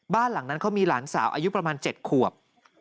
บ้านหลังนั้นเขามีหลานสาวอายุประมาณ๗ขวบ